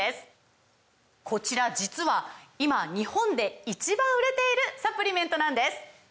こちら実は今日本で１番売れているサプリメントなんです！